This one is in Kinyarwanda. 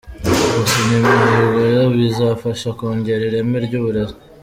Gusinya imihigo bizafasha kongera ireme ry’uburezi